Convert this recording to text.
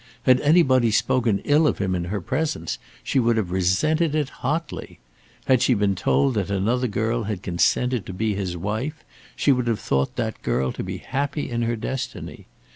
Had anybody spoken ill of him in her presence she would have resented it hotly. Had she been told that another girl had consented to be his wife, she would have thought that girl to be happy in her destiny.